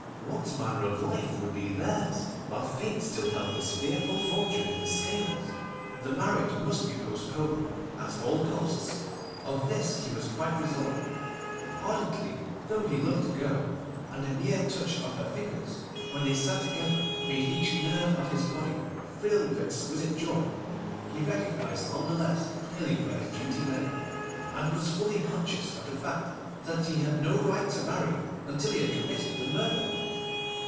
What manner of life would be theirs while Fate still held this fearful fortune in the scales? The marriage must be postponed, at all costs. Of this he was quite resolved. Ardently though he loved the girl, and the mere touch of her fingers, when they sat together, made each nerve of his body thrill with exquisite joy, he recognised none the less clearly where his duty lay, and was fully conscious of the fact that he had no right to marry until he had committed the murder.